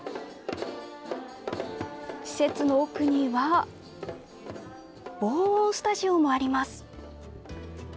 施設の奥には防音スタジオもあります。